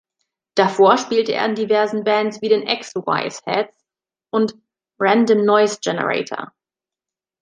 Davor spielte er in diversen Bands wie den "Ex-Wise Heads" und "Random Noise Generator".